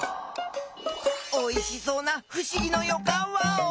おいしそうなふしぎのよかんワオ！